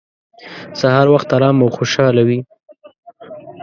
سهار وخت ارام او خوشحاله وي.